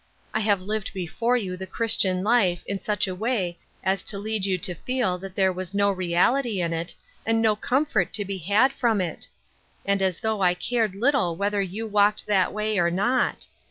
I have lived before you the Christian life in such a way as to lead you to feel that there was no reality in it, and no comfort to be had from it ; and as though I cared little whether you walked that way or not.